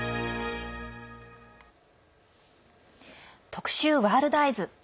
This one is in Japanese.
特集「ワールドＥＹＥＳ」。